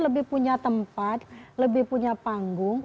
lebih punya tempat lebih punya panggung